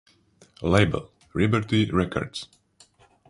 Label: Liberty Records.